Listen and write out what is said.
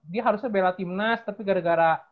dia harusnya bela timnas tapi gara gara